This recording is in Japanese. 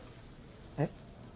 えっ？